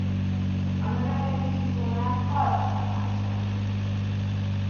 A növekedési zónák halványan látszanak.